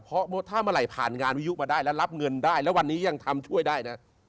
เพราะถ้าเมื่อไหร่ผ่านงานวิยุมาได้แล้วรับเงินได้แล้ววันนี้ยังทำช่วยได้นะ